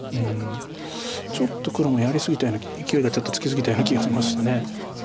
ちょっと黒もやり過ぎたようないきおいがちょっとつき過ぎたような気がしました。